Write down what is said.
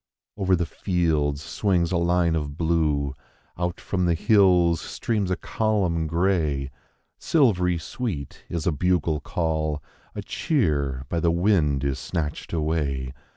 /&¥ Over the fields swines a line of blue; out from the hills streams a column gray; Silvery sweet is a bugle call; a cheer by the wind is snatched away.